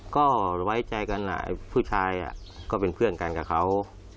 ก็ไว้ใจกันผู้ชายก็เป็นเพื่อนกันกับเขา